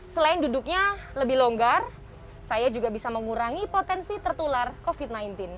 selain duduknya lebih longgar saya juga bisa mengurangi potensi tertular covid sembilan belas